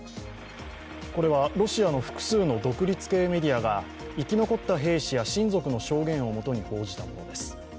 これはロシアの複数の独立系メディアが生き残った兵士や親族の証言をもとに報じたものです。